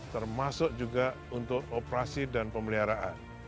termasuk juga untuk operasi dan pemeliharaan